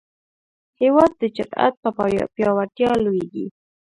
هېواد د جرئت په پیاوړتیا لویېږي.